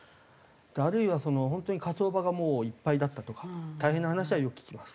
あるいは本当に火葬場がもういっぱいだったとか大変な話はよく聞きます。